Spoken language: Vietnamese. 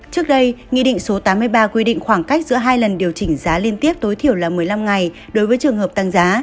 trước đây nghị định số tám mươi ba quy định khoảng cách giữa hai lần điều chỉnh giá liên tiếp tối thiểu là một mươi năm ngày đối với trường hợp tăng giá